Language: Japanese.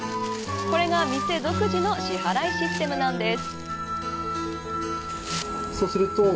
これが店独自の支払いシステムなんです。